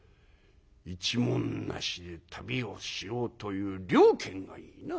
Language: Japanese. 一文無しで旅をしようという了見がいいな。